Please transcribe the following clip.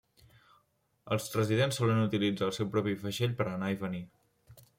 Els residents solen utilitzar el seu propi vaixell per a anar i venir.